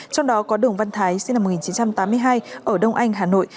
trong đó có đường văn thái sinh năm một nghìn chín trăm tám mươi hai ở đông anh hà nội